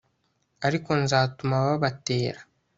ariko nzatuma babatera